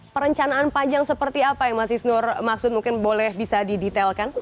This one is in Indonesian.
perencanaan panjang seperti apa yang mas isnur maksud mungkin boleh bisa didetailkan